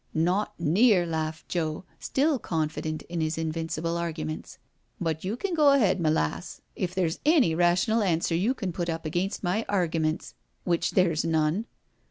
*'" Not near^" laughed Joe, still confident in his in vincible arguments. " But you can go ahead, my lass, if there's any rational answer you can put up against my argiments, which there's none.